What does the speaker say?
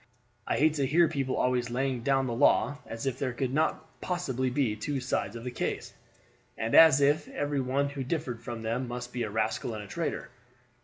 I hate to hear people always laying down the law as if there could not possibly be two sides of the case, and as if every one who differed from them must be a rascal and a traitor.